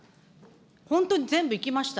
本当に全部行きました。